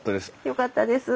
よかったです。